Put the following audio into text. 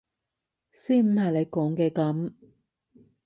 先唔係你講嘅噉！